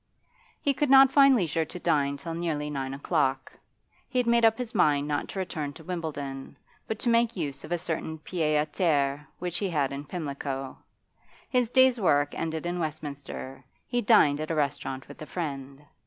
He could not find leisure to dine till nearly nine o'clock. He had made up his mind not to return to Wimbledon, but to make use of a certain pied a terre which he had in Pimlico. His day's work ended in Westminster, he dined at a restaurant with a friend.